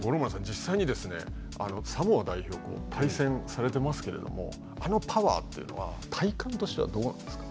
実際にですねサモア代表と対戦されてますけれどもあのパワーというのは体感としてはどうなんですか？